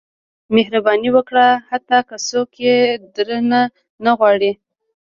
• مهرباني وکړه، حتی که څوک یې درنه نه غواړي.